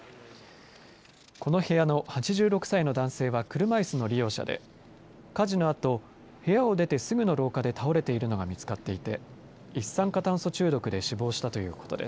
この部屋の８６歳の男性は車いすの利用者で火事のあと部屋を出てすぐの廊下で倒れているのが見つかっていて一酸化炭素中毒で死亡したということです。